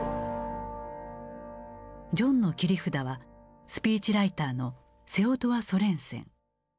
ジョンの切り札はスピーチライターのセオドア・ソレンセン。